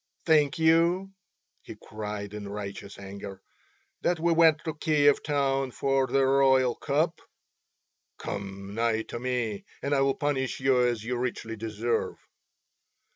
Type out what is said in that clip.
"Think you," he cried in righteous anger, "that we went to Kiev town for the royal cup? Come nigh to me and I will punish you as you richly deserve."